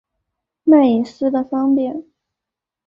卖隐私得方便